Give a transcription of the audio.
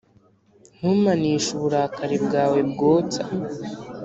ntumpanishe uburakari bwawe bwotsa